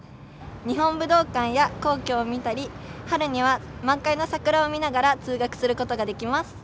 日本武道館や皇居を見たり春には満開の桜を見ながら通学することができます。